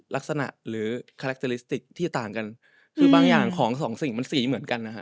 ลักษณะหรือคาแรคเตอร์ลิสติกที่ต่างกันคือบางอย่างของสองสิ่งมันสีเหมือนกันนะฮะ